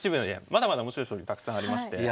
まだまだ面白い将棋たくさんありまして。